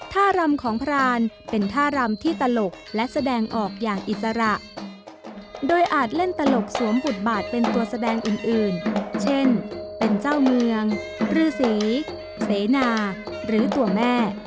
ท่ารำของพรานเป็นท่ารำที่ตลกและแสดงออกอย่างอิสระโดยอาจเล่นตลกสวมบทบาทเป็นตัวแสดงอื่นเช่นเป็นเจ้าเมืองฤษีเสนาหรือตัวแม่